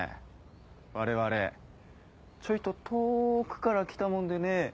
我々ちょいと遠くから来たもんでね。